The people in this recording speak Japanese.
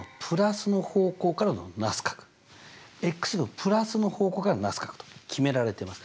のプラスの方向からのなす角と決められてます。